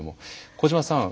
小島さん